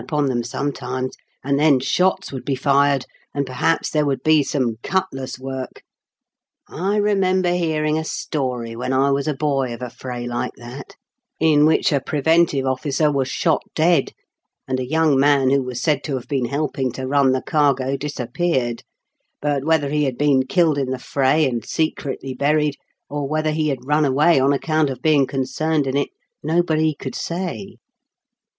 upon them sometimes, and then shots would be fired, and perhaps there would be some cutlass work. I remember hearing a story, when I was a boy, of a fray like that, in which a preventive ofl&cer was shot dead, and a young man who was said to have been helping to run the cargo disappeared, but whether he had been killed in the fray and secretly buried, or whether he had run away on account of being concerned in it, nobody could say.